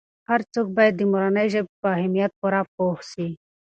هر څوک باید د مورنۍ ژبې په اهمیت پوره پوه سي.